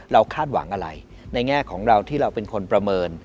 คาดหวังอะไรในแง่ของเราที่เราเป็นคนประเมิน